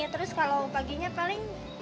terus kalau paginya paling